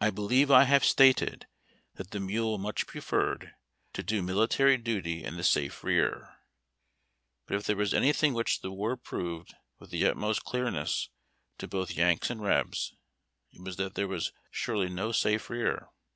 I believe I have stated that the mule much preferred to do military duty in the safe rear; but if there was anything which the war proved with the utmost clearness to both Yanks and Rebs, it was that there was surely no safe rear.